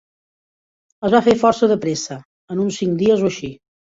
Es va fer força de pressa, en uns cinc dies o així.